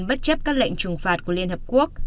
bất chấp các lệnh trừng phạt của liên hợp quốc